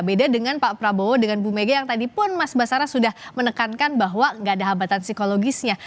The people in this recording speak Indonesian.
beda dengan pak prabowo dengan bu mega yang tadi pun mas basara sudah menekankan bahwa nggak ada hambatan psikologisnya